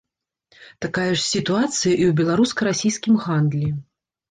Такая ж сітуацыя і ў беларуска-расійскім гандлі.